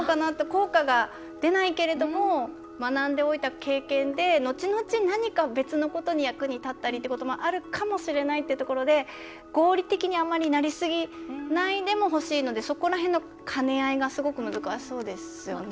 効果が出ないけれども学んでおいた経験でのちのち何か別のことに役に立ったりっていうこともあるかもしれないってところで合理的に、あまりなりすぎないでもほしいのでそこら辺の兼ね合いがすごく難しそうですよね。